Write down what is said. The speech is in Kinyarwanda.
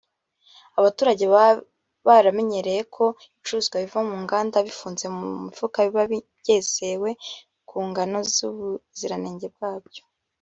Abaturage baba bamenyereye ko ibicuruzwa biva mu nganda bifunzwe mu mifuka biba byizewe ku ngano n’ubuziranenge bwabyo